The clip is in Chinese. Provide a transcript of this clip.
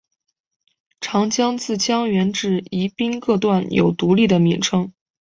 长江自江源至宜宾各段有独立的名称。